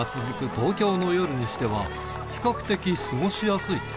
東京の夜にしては、比較的過ごしやすい。